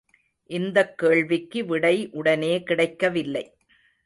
இந்தக் கேள்விக்கு விடை உடனே கிடைக்கவில்லை.